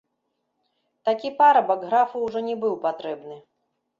Такі парабак графу ўжо не быў патрэбны.